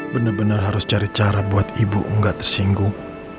benar benar harus cari cara buat ibu enggak tersinggung